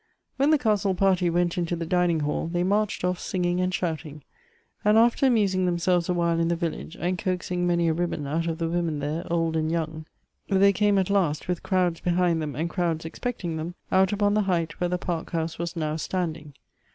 When the castle party went into the dining hall, they mnrched off singing and shouting, and after amusing themselves a while in the village, and coaxing many a ribbon out of the women there, old and young, they came at last, with crowds behind them and crowds expecting them, out upon the height where the park house was now standing.